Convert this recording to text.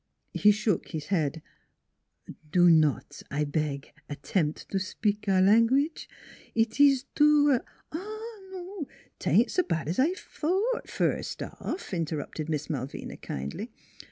He shook his head: " Do not, I beg, attempt to spik our language. It ees too" " Oh, 'tain't so bad as I thought, first off," in terrupted Miss Malvina kindly.